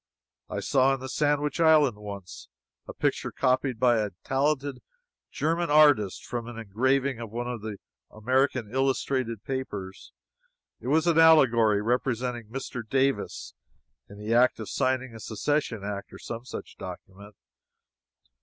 I saw in the Sandwich Islands, once, a picture copied by a talented German artist from an engraving in one of the American illustrated papers. It was an allegory, representing Mr. Davis in the act of signing a secession act or some such document.